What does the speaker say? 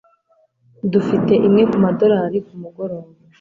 Dufite imwe kumadorari kumugoroba